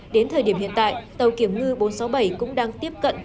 đến thời điểm hiện tại tàu kiểm ngư bốn trăm sáu mươi bảy cũng đang tiếp cận tàu qna